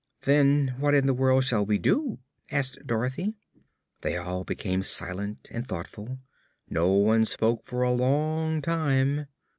"Then what in the world shall we do?" asked Dorothy. They all became silent and thoughtful. No one spoke for a long time.